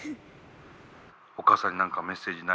お母さんに何かメッセージない？